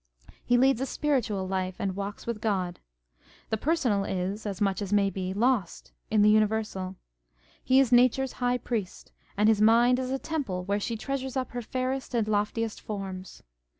He leads a spiritual life, and walks with God. The personal is, as much as may be, lost in the universal. He is Nature's high priest, and his mind is a temple where she treasures up her fairest and loftiest forms.